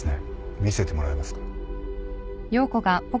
見せてもらえますか？